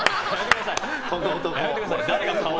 やめてください。